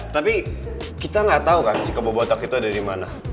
tapi kita nggak tahu kan sih kebo botak itu ada di mana